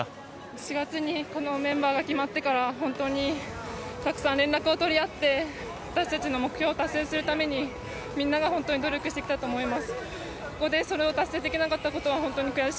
４月にこのメンバーが決まってから本当にたくさん連絡を取り合って私たちの目標を達成するためにみんなが努力してきたと思います。